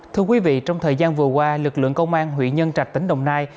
thưa quý vị trong thời gian vừa qua lực lượng công an huyện nhân trạch tỉnh đồng nai